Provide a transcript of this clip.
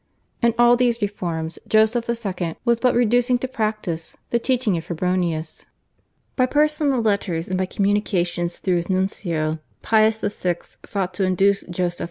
In all these reforms Joseph II. was but reducing to practice the teaching of Febronius. By personal letters and by communications through his nuncio Pius VI. sought to induce Joseph II.